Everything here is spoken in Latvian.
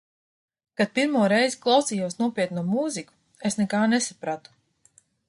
Kad pirmo reizi klausījos nopietno mūziku, es nekā nesapratu.